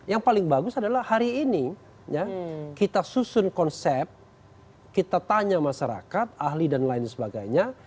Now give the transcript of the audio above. yang paling bagus adalah hari ini kita susun konsep kita tanya masyarakat ahli dan lain sebagainya